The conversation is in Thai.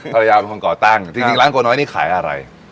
ภรรยาเป็นคนก่อตั้งจริงร้านโกน้อยนี่ขายอะไร